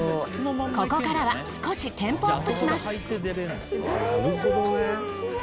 ここからは少しテンポアップします。